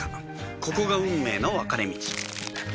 ここが運命の分かれ道